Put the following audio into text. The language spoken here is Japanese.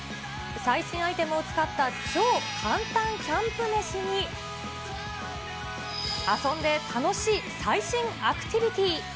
最新アイテムを使った、超簡単キャンプ飯に、遊んで楽しい最新アクティビティ。